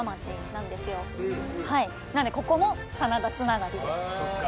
なんでここも真田つながりでそっか